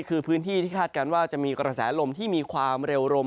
คือพื้นที่ที่คาดการณ์ว่าจะมีกระแสลมที่มีความเร็วรม